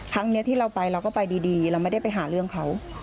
ครั้งนี้ที่เราไปเราก็ไปดีเราไม่ได้ไปหาเรื่องเขา